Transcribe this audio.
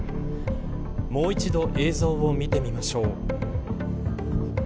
もう一度映像を見てみましょう。